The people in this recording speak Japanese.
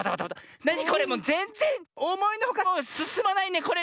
なにこれもうぜんぜんおもいのほかすすまないねこれねって。